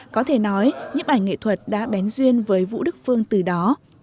có thể nói nhấp ảnh nghệ thuật đã bén duyên với vũ đức phương từ đó